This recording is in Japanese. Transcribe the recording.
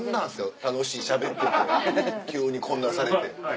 楽しいしゃべってて急にこんなんされて。